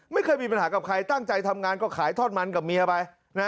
ไม่เคยมีปัญหากับใครตั้งใจทำงานก็ขายทอดมันกับเมียไปนะ